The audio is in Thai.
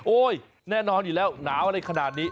แน่นอนอยู่แล้วหนาวอะไรขนาดนี้